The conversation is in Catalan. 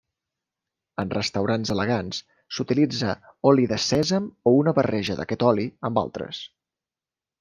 En restaurants elegants s'utilitza oli de sèsam o una barreja d'aquest oli amb altres.